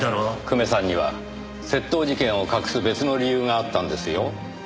久米さんには窃盗事件を隠す別の理由があったんですよ。